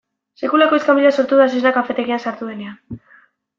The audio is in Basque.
Sekulako iskanbila sortu da zezena kafetegian sartu denean.